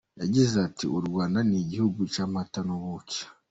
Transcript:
Yagize ati " U Rwanda ni igihugu cy’amata n’ubuki.